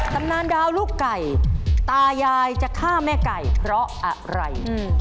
ตำนานดาวลูกไก่ตายายจะฆ่าแม่ไก่เพราะอะไร